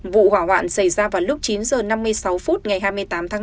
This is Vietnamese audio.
vụ hỏa hoạn xảy ra vào lúc chín h năm mươi sáu phút ngày hai mươi tám tháng tám